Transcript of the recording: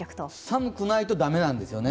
寒くないと駄目なんですよね。